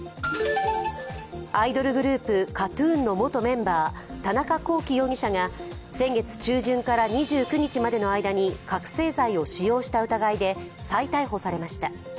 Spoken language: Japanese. アイドルグループ、ＫＡＴ−ＴＵＮの元メンバー、田中聖容疑者が先月中旬から２９日までの間に覚醒剤を使用した疑いで再逮捕されました。